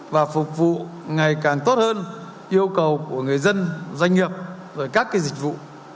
và phục vụ ngày càng tốt hơn yêu cầu của người dân doanh nghiệp rồi các dịch vụ